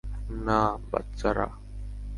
না, বাচ্চারা!